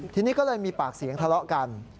ทีนี้ก็เลยมีปากเสียงทะเลาะกัน